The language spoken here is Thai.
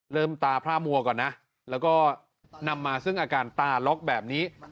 ตาพระมัวก่อนนะแล้วก็นำมาซึ่งอาการตาล็อกแบบนี้